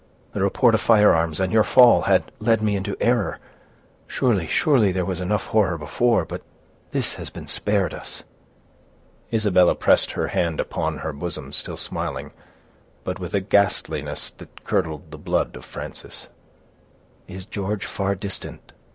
"The report of firearms, and your fall, had led me into error. Surely, surely, there was enough horror before; but this has been spared us." Isabella pressed her hand upon her bosom, still smiling, but with a ghastliness that curdled the blood of Frances. "Is George far distant?"